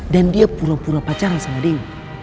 dan dia pura pura pacaran sama dewi